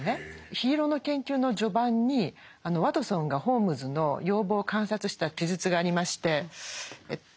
「緋色の研究」の序盤にワトソンがホームズの容貌を観察した記述がありましてえっと